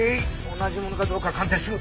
同じ物かどうか鑑定する。